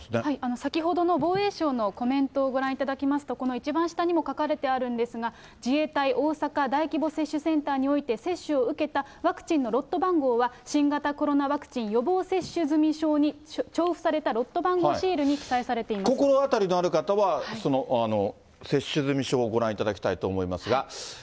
先ほどの防衛省のコメントをご覧いただきますと、この一番下にも書かれてあるんですが、自衛隊大阪大規模接種センターにおいて、接種を受けたワクチンのロット番号は、新型コロナワクチン予防接種済証に貼付されたロット番号シールに心当たりのある方は、接種済証をご覧いただきたいと思いますが。